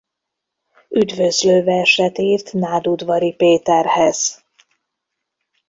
Üdvözlő verset irt Nádudvari Péterhez.